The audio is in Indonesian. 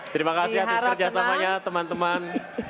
terima kasih atas kerjasamanya teman teman